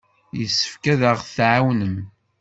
Yessefk ad aɣ-tɛawnem.